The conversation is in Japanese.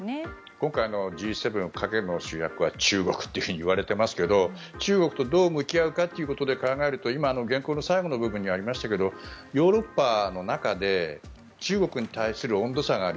今回のＧ７の陰の主役は中国といわれていますけど中国とどう向き合うかということで考えると今、原稿の最後の部分にもありましたがヨーロッパの中で中国に対する温度差がある。